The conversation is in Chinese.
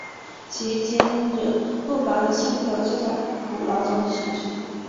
其坚忍不拔的性格就在苦牢中形成。